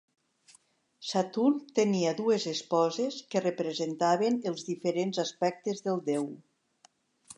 Saturn tenia dues esposes que representaven els diferents aspectes del déu.